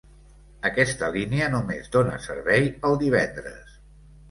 Aquesta línia només dóna servei el divendres.